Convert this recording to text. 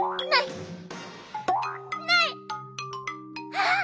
あっ！